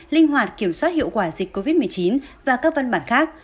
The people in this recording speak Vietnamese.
linh hoạt kiểm soát hiệu quả dịch covid một mươi chín và các văn bản khác